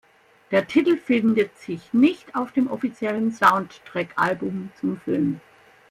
Der Titel findet sich nicht auf dem offiziellen Soundtrack-Album zum Film.